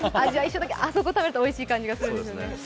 あそこ食べるとおいしい感じがするんですよね。